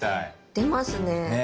出ますね。